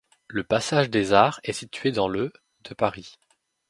Le passage des Arts est situé dans le de Paris.